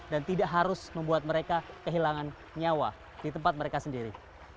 tidak harus membuat mereka kehilangan nyawa di tempat mereka sendiri